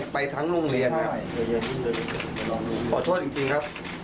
ไปทั้งโรงเรียนครับขอโทษจริงครับ